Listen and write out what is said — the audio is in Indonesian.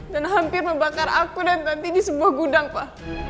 dan hampir membakar aku dan tanti di sebuah gudang pa